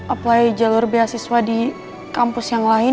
apply jalur beasiswa di kampus yang lain